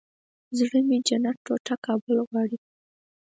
زړه مې جنت ټوټه کابل غواړي